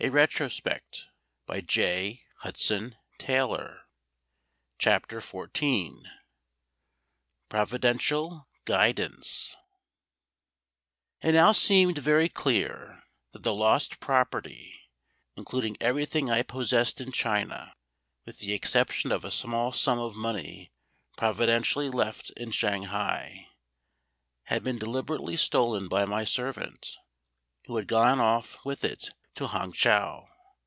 CHAPTER XIV PROVIDENTIAL GUIDANCE IT now seemed very clear that the lost property including everything I possessed in China, with the exception of a small sum of money providentially left in Shanghai had been deliberately stolen by my servant, who had gone off with it to Hang chau.